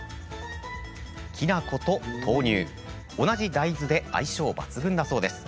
きなこと豆乳同じ大豆で相性抜群だそう。